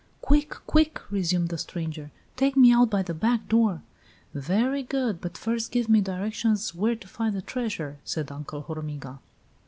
"Quick! quick!" resumed the stranger. Take me out by the back door!" "Very good, but first give me directions where to find the treasure," said Uncle Hormiga.